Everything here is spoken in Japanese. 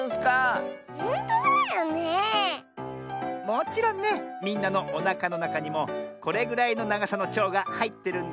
もちろんねみんなのおなかのなかにもこれぐらいのながさのちょうがはいってるんだよ。